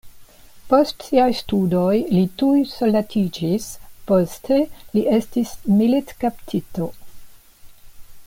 Post siaj studoj li tuj soldatiĝis, poste li estis militkaptito.